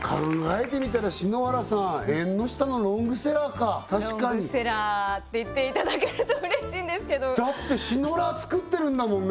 えんの下のロングセラーか確かにロングセラーって言っていただけると嬉しいんですけどだってシノラー作ってるんだもんね